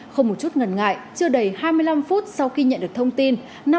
không một chút ngần ngại chưa đầy hai mươi năm phút sau khi nhận được thông tin